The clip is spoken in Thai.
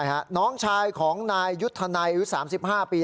ใช่น้องชายของนายยุทธนัย๓๕ปี